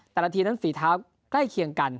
นาทีนั้นฝีเท้าใกล้เคียงกัน